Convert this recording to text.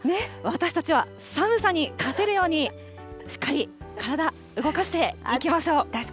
私たちは寒さに勝てるようにしっかり体動かしていきましょう。